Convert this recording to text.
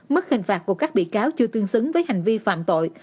mức hình phạt của các bị cáo chưa tương xứng với hành vi phạm tội